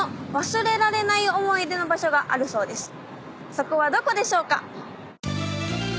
そこはどこでしょうか？